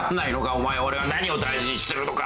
お前俺が何を大事にしてるのか。